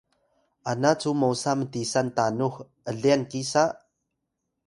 ana cu mosa mtisan tanux ’lyan kisa?